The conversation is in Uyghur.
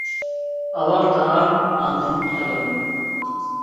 ئاۋۋال تائام، ئاندىن كالام.